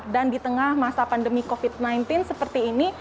dan di tengah masa pandemi covid sembilan belas seperti ini